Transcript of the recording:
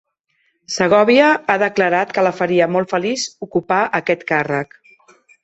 Segòvia ha declarat que la faria molt feliç ocupar aquest càrrec